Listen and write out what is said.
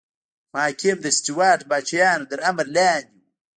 محاکم د سټیورات پاچاهانو تر امر لاندې وو.